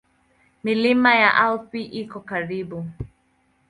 Milima ya Alpi iko karibu.